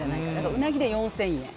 うなぎで４０００円